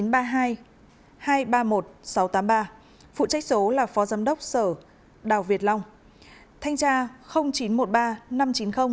phụ trách số là phó giám đốc sở đào việt long thanh tra chín trăm một mươi ba năm trăm chín mươi sáu trăm ba mươi ba